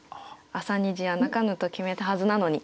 「朝虹や泣かぬと決めたはずなのに」。